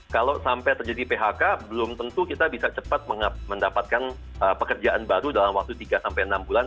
kalau sampai terjadi phk belum tentu kita bisa cepat mendapatkan pekerjaan baru dalam waktu tiga enam bulan